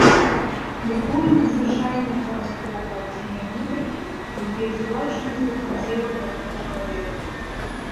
Якое надзвычайнае хараство ў адценнях гутаркі, якія суладжаны з рухам цела гэтага чалавека!